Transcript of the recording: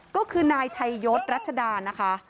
ก็คือนายชัยยศรัชดานะคะ